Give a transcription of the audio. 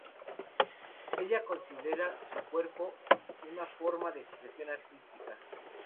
Ella considera su cuerpo una forma de expresión artística.